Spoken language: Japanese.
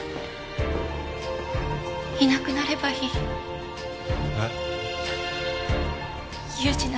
いなくなればいい。え？